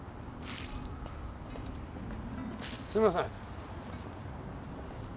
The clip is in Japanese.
すみません。